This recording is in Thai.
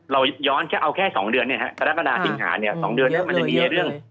เราย้อนเอาแค่สองเดือนเนี่ยครับศรักษณะสิ่งหาเนี่ยสองเดือนมันจะมีเรื่อง